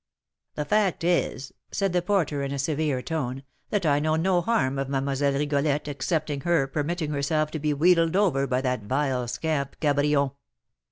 "The fact is," said the porter, in a severe tone, "that I know no harm of Mlle. Rigolette, excepting her permitting herself to be wheedled over by that vile scamp, Cabrion."